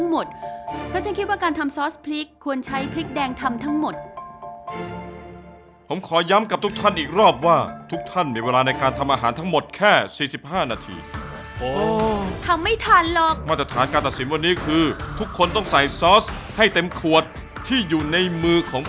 มันจะทานการตัดสินวันนี้คือทุกคนต้องใส่ซอสให้เต็มขวดที่อยู่ในมือของผม